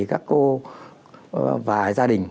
các cô và gia đình